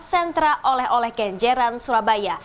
sentra oleh oleh kenjeran surabaya